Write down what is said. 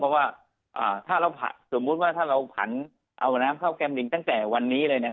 เพราะว่าถ้าเราผันเอาน้ำเข้าแก้มลิ้งตั้งแต่วันนี้เลย